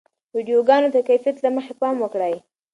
ویډیوګانو ته د کیفیت له مخې پام وکړئ.